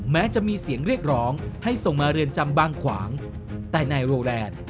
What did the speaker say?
แม้จะมีเสียงเรียกร้องให้ส่งมาเรือนจำบางขวางแต่นายโรแลนด์